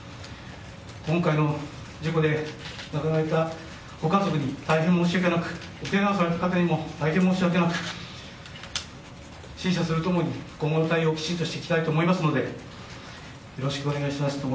今回の事故で亡くなられたご家族に大変申し訳なくおけがをされた方にも大変申し訳なく陳謝すると共に今後の対応をきちんとしていきたいと思いますのでよろしくお願いします。